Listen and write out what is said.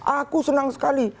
aku senang sekali